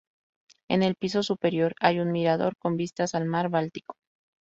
En el piso superior hay un mirador con vistas al mar Báltico.